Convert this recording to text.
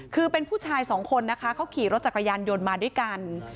คือเป็นผู้ชายสองคนนะคะเขาขี่รถจักรยานยนต์มาด้วยกัน